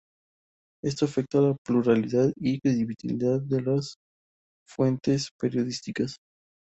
Esto afecta a la pluralidad y credibilidad de las fuentes periodísticas.